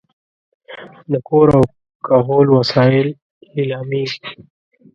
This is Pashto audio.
د کور او کهول وسایل لیلامېږي.